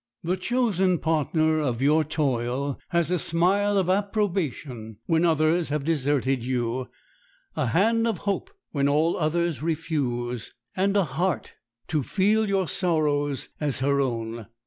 The chosen partner of your toil has a smile of approbation when others have deserted you, a hand of hope when all others refuse, and a heart to feel your sorrows as her own.